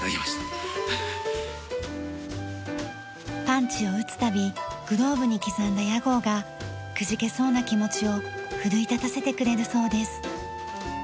パンチを打つ度グローブに刻んだ屋号がくじけそうな気持ちを奮い立たせてくれるそうです。